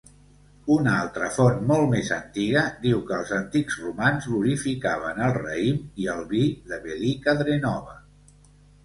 Una altra font molt més antiga diu que els antics romans glorificaven el raïm i el vi de Velika Drenova.